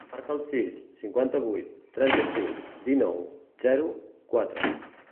Marca el sis, cinquanta-vuit, trenta-cinc, dinou, zero, quatre.